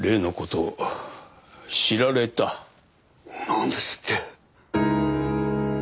なんですって！？